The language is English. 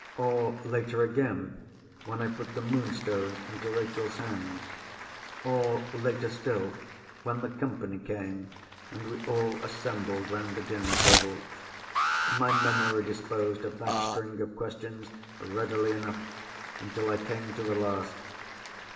or, later again, when I put the Moonstone into Rachel's hands? or, later still, when the company came, and we all assembled round the dinner table? My memory disposed of that string of questions readily enough, until I came to the last.